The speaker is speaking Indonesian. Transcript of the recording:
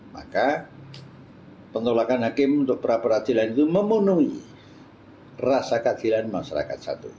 maka penolakan hakim untuk pra peradilan itu memenuhi rasa keadilan masyarakat satu